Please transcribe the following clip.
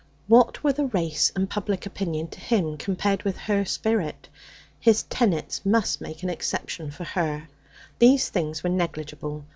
What were the race and public opinion to him compared with her spirit? His tenets must make an exception for her. These things were negligible.